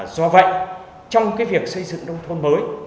do vậy trong cái việc xây dựng nông thôn mới